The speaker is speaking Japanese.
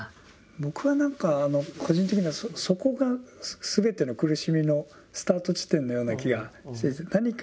僕は何か個人的にはそこがすべての苦しみのスタート地点のような気がしていてどう思われますか？